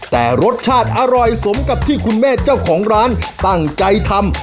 แต่รสชาติอร่อยสมกับที่คุณแม่เจ้าของร้านตั้งใจทำ